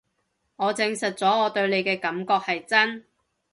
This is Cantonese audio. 我證實咗我對你嘅感覺係真